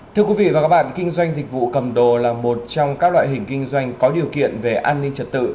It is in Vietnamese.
thưa quý vị và các bạn kinh doanh dịch vụ cầm đồ là một trong các loại hình kinh doanh có điều kiện về an ninh trật tự